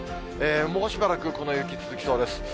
もうしばらく、この雪、続きそうです。